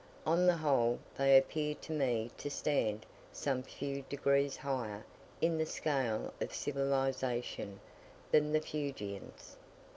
On the whole they appear to me to stand some few degrees higher in the scale of civilization than the Fuegians.